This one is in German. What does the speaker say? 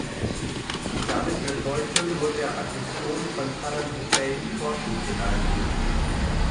Damit wird heute nur der Aggression von Saddam Hussein Vorschub geleistet.